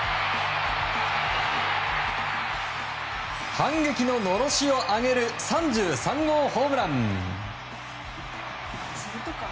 反撃ののろしを上げる３３号ホームラン。